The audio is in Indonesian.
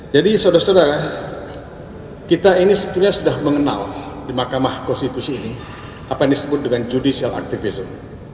jadi saudara saudara kita ini sebetulnya sudah mengenal di mahkamah konstitusi ini apa yang disebut judicial activism